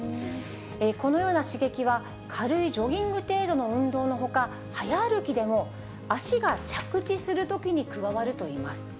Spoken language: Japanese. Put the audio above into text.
このような刺激は、軽いジョギング程度の運動のほか、早歩きでも足が着地するときに加わるといいます。